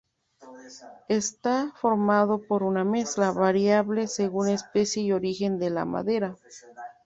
Está formado por una mezcla, variable según especie y origen de la madera.